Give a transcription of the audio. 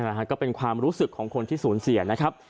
นะฮะก็เป็นความรู้สึกของคนที่สูญเสียนะครับ